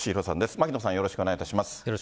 牧野さん、よろしくお願いします。